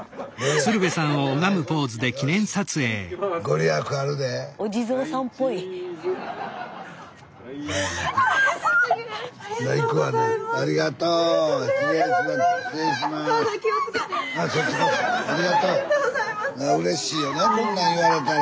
スタジオうれしいよなこんなん言われたら。